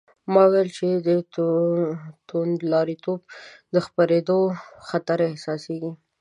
ما وویل چې د توندلاریتوب د خپرېدو خطر احساسېږي.